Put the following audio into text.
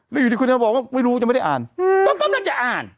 แล้วอยู่ที่คุณก็บอกว่าไม่รู้ยังไม่ได้อ่านอืมก็ก็ไม่ได้อ่าน